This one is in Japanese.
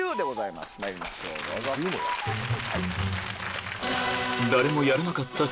まいりましょうどうぞ。